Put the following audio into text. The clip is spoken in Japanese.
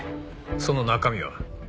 その中身は？